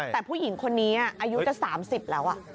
แต่ผู้หญิงคนนี้อายุจะ๓๐แล้ว